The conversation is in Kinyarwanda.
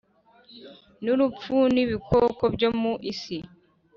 n urupfu n ibikoko byo mu isi